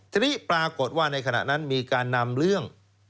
ทีนี้ปรากฏว่าในขณะนั้นมีการนำเรื่อง